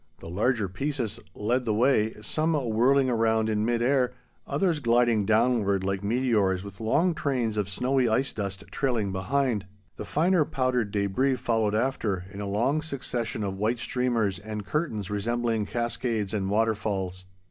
The larger pieces led the way, some whirling around in mid air, others gliding downward like meteors with long trains of snowy ice dust trailing behind. The finer powdered debris followed after, in a long succession of white streamers and curtains resembling cascades and waterfalls.